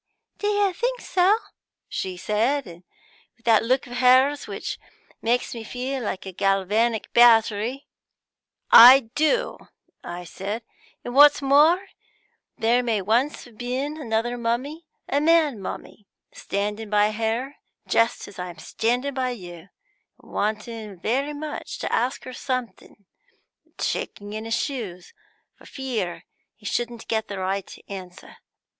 'Do you think so?' she said, with that look of hers which makes me feel like a galvanic battery. 'I do,' I said, 'and what's more, there may once have been another mummy, a man mummy, standing by her just as I am standing by you, and wanting very much to ask her something, and shaking in his shoes for fear he shouldn't get the right answer.'